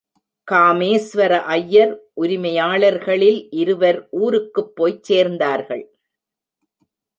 காமேஸ்வர ஐயர் உரிமையாளர்களில் இருவர் ஊருக்குப் போய்ச்சேர்ந்தார்கள்.